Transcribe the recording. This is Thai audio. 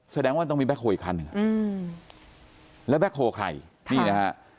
แสดงว่าต้องมีแบ็คโฮอีกครั้งหนึ่งอืมแล้วแบ็คโฮใครนี่นะฮะ